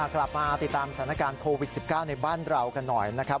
กลับมาติดตามสถานการณ์โควิด๑๙ในบ้านเรากันหน่อยนะครับ